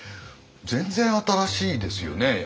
全然新しいですよね。